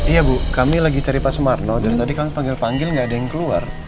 iya bu kami lagi cari pak sumarno dari tadi kami panggil panggil nggak ada yang keluar